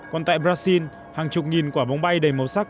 còn tại brazil hàng chục nghìn quả bóng bay đầy màu sắc